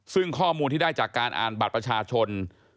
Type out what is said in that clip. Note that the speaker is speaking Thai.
ซึ่งข้อมูลที่ได้จากการอ่านบัตรประชาชน